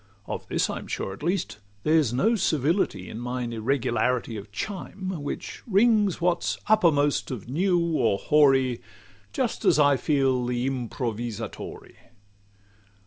Of this I'm sure at least, there's no servility In mine irregularity of chime, Which rings what 's uppermost of new or hoary, Just as I feel the 'Improvvisatore.